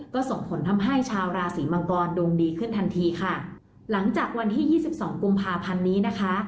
ก็ส่งผลทำให้ชาวราศีมังกรดวงดีขึ้นทันทีค่ะหลังจากวันที่ยี่สิบสองกุมภาพันธ์นี้นะคะ